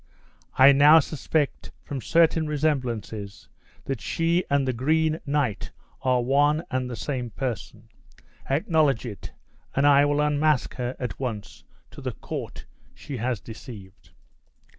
I now suspect, from certain remembrances, that she and the Green Knight are one aid the same person. Acknowledge it, and I will unmask her at once to the court she has deceived."